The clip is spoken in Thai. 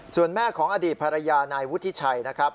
ส่วนแม่ของอดีตภรรยานายวุฒิชัยนะครับ